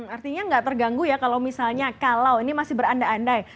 artinya nggak terganggu ya kalau misalnya kalau ini masih beranda andai